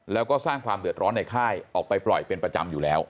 แล้วก็สร้างความเดือดร้อนในค่ายออกไปปล่อยเป็นประจำอยู่แล้ว